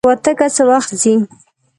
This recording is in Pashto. الوتکه څه وخت ځي؟